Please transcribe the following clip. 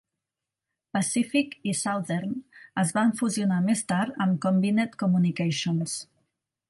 Pacific i Southern es van fusionar més tard amb Combined Communications.